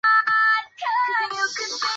慢病毒感染不在细胞周期的细胞。